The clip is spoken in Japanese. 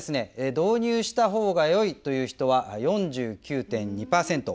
「導入したほうがよい」という人は４９．２％。